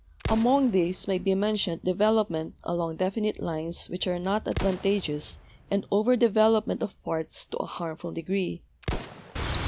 Among these may be mentioned development along definite lines which are not advan tageous and over development of parts to a harmful degree.